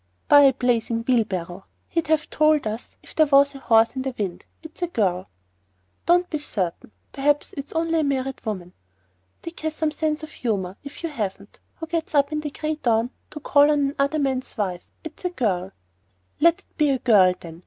"Buy a blazing wheelbarrow! He'd have told us if there was a horse in the wind. It's a girl." "Don't be certain. Perhaps it's only a married woman." "Dick has some sense of humour, if you haven't. Who gets up in the gray dawn to call on another man's wife? It's a girl." "Let it be a girl, then.